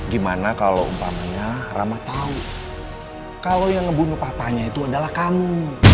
gimana kalau umpamanya rama tahu kalau yang ngebunuh papanya itu adalah kamu